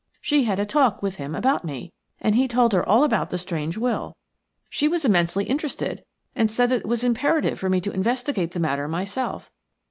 She had a talk with him about me, and he told her all about the strange will. She was immensely interested, and said that it was imperative for me to investigate the matter myself.